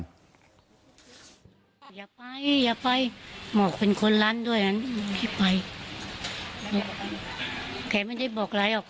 ก็ว่าอยากไปอยากไปม็อกเป็นคนร้านด้วยช่วยไป